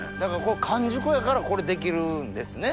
完熟やからこれできるんですね。